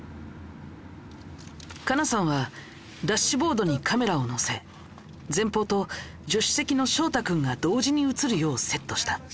カナさんはダッシュボードにカメラを載せ前方と助手席の翔太君が同時に映るようセットした。